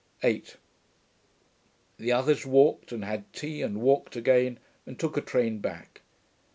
8 The others walked, and had tea, and walked again, and took a train back.